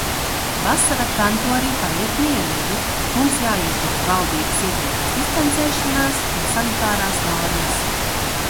Vasara kantorī paiet mierīgi. Mums jāietur ir valdības ieteiktās distancēšanās un sanitārās normas.